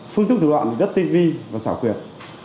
phương thức thủ đoạn đất tinh vi và xảo quyệt